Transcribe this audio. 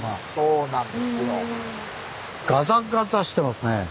うん。